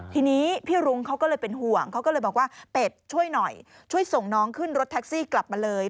ทีนี้พี่รุ้งเขาก็เลยเป็นห่วงเขาก็เลยบอกว่าเป็ดช่วยหน่อยช่วยส่งน้องขึ้นรถแท็กซี่กลับมาเลย